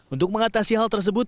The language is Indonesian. untuk mengatasi hal tersebut